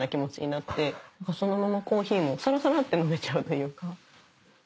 そのままコーヒーもさらさらって飲めちゃうというか。